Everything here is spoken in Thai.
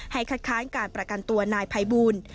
คัดค้านการประกันตัวนายภัยบูล